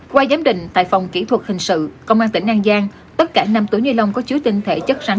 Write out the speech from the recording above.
qua giám định tại phòng kỹ thuật hình sự công an tỉnh an giang tất cả năm túi ni lông có chứa tinh thể chất rắn